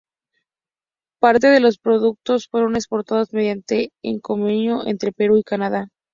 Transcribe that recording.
Parte los productos fueron exportados mediante un convenio entre Perú y Canadá.